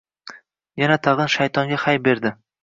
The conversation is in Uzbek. Yana-tag‘in, shaytonga hay berdi.